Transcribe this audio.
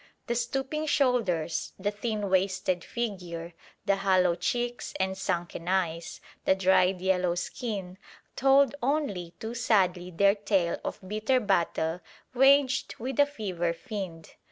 The stooping shoulders, the thin wasted figure, the hollow cheeks and sunken eyes, the dried yellow skin, told only too sadly their tale of bitter battle waged with the fever fiend.